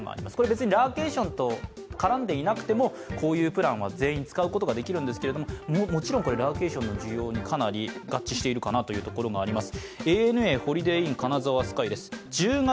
別にラーケーションと絡んでいなくてもこういうプランを使うことはできるんですがもちろん、ラーケーションの需要にかなり合致してるかなと思います。